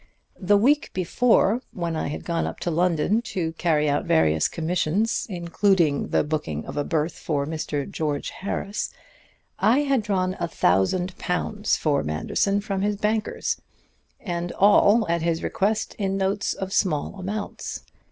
The week before, when I had gone up to London to carry out various commissions, including the booking of a berth for Mr. George Harris, I had drawn a thousand pounds for Manderson from his bankers; and all, at his request, in notes of small amounts.